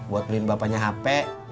buat beliin bapaknya hp